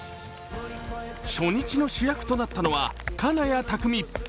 初日の主役となったのは金谷拓実。